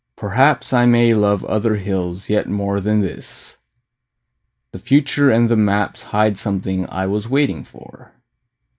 Perhaps I may love other hills yet more Than this: the future and the maps Hide something I was waiting for.